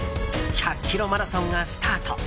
１００ｋｍマラソンがスタート。